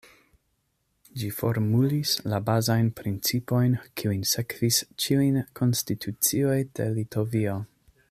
Ĝi formulis la bazajn principojn kiujn sekvis ĉiujn konstitucioj de Litovio.